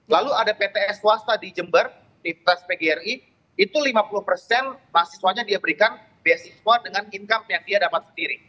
lalu ada pts swasta di jember di pt pgri itu lima puluh persen mahasiswanya dia berikan beasiswa dengan income yang dia dapat sendiri